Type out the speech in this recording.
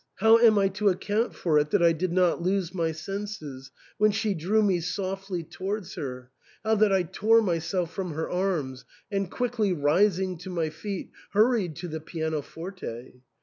How am I to account for it that I did not lose my senses when she drew me softly towards her, how that I tore myself from her arms, and, quickly rising to my feet, hurried to the pianoforte